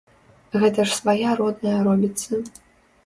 Гэта ж свая родная робіцца.